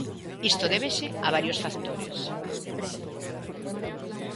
Isto débese a varios factores.